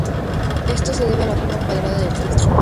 Esto se debe a la forma cuadrada del filtro.